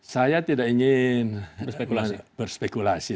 saya tidak ingin berspekulasi